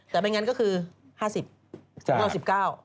๑๐แต่ไม่งั้นก็คือ๕๐แล้ว๑๙